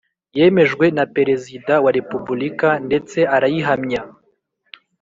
Yemejwe na Perezida wa Repubulika ndetse arayihamya